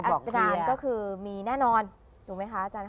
ก็คือมีแน่นอนถูกไหมคะอาจารย์ค่ะ